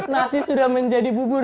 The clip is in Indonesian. nasi sudah menjadi bubur